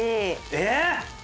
えっ！